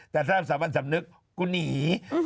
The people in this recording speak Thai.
แต่สร้างสามัญสำนึกกูหนี